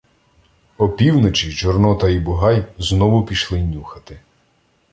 Опівночі Чорнота і Бугай знову пішли "нюхати".